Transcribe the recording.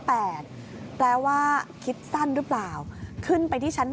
แปลว่าคิดสั้นหรือเปล่าขึ้นไปที่ชั้น